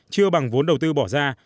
chưa bằng vốn đầu tư bỏ ra